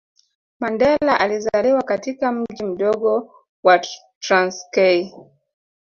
Mandela alizaliwa katika mji mdogo wa Transkei